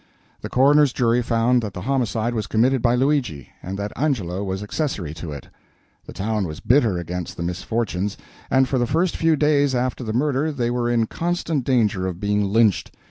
The coroner's jury found that the homicide was committed by Luigi, and that Angelo was accessory to it. The town was bitter against the unfortunates, and for the first few days after the murder they were in constant danger of being lynched.